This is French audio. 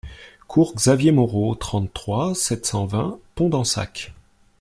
Cours Xavier Moreau, trente-trois, sept cent vingt Podensac